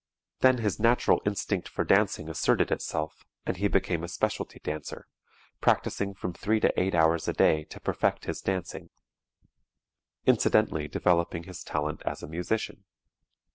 Then his natural instinct for dancing asserted itself, and he became a specialty dancer, practicing from three to eight hours a day to perfect his dancing, incidentally developing his talent as a musician.